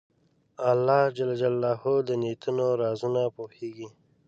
الله د نیتونو رازونه پوهېږي.